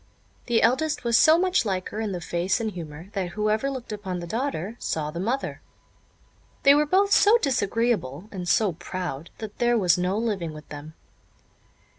The eldest was so much like her in the face and humour, that whoever looked upon the daughter saw the mother. They were both so disagreeable, and so proud, that there was no living with them.